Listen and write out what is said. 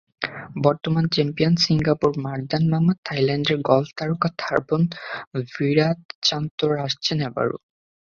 বর্তমান চ্যাম্পিয়ন সিঙ্গাপুরে Mardan Mamat, থাইল্যান্ডের গলফ তারকা থাবর্ন ভিরাতচান্তরা আসছেন এবারও।